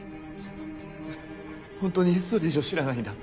本当にそれ以上知らないんだ。